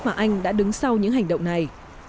và anh đã đứng sau những hành động này